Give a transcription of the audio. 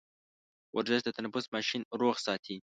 ورزش د تنفس ماشين روغ ساتي.